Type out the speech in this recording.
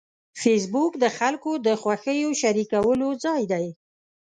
فېسبوک د خلکو د خوښیو شریکولو ځای دی